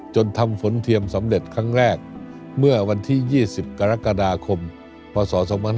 จนทำฝนเทียมสำเร็จครั้งแรกเมื่อวันที่๒๐กรกฎาคมพศ๒๕๕๙